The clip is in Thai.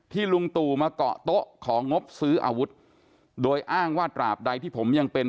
ลุงตู่มาเกาะโต๊ะของงบซื้ออาวุธโดยอ้างว่าตราบใดที่ผมยังเป็น